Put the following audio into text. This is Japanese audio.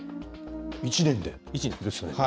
１年です。